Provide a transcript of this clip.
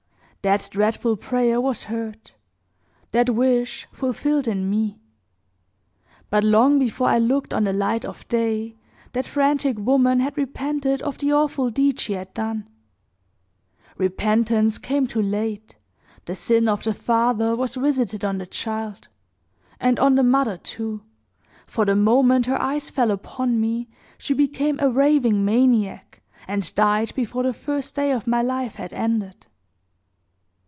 That dreadful prayer was heard that wish fulfilled in me; but long before I looked on the light of day that frantic woman had repented of the awful deed she had done. Repentance came too late the sin of the father was visited on the child, and on the mother, too, for the moment her eyes fell upon me, she became a raving maniac, and died before the first day of my life had ended.